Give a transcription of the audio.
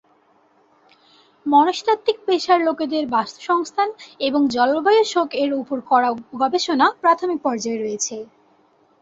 মনস্তাত্ত্বিক পেশার লোকেদের বাস্তুসংস্থান এবং জলবায়ু শোক এর উপর করা গবেষণা প্রাথমিক পর্যায়ে রয়েছে।